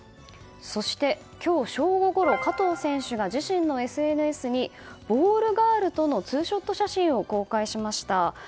そして、今日正午ごろ加藤選手が自身のＳＮＳにボールガールとのツーショット写真を公開しました。